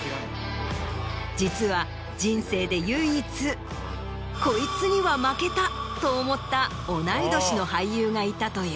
実は人生で唯一「こいつには負けた！」と思った同い年の俳優がいたという。